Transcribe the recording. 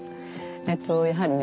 やはりね